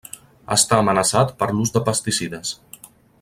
Està amenaçat per l'ús de pesticides.